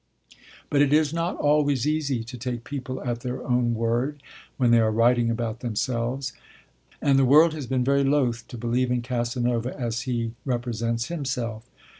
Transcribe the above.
But it is not always easy to take people at their own word, when they are writing about themselves; and the world has been very loth to believe in Casanova as he represents himself.